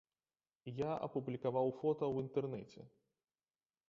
Я апублікаваў фота ў інтэрнэце.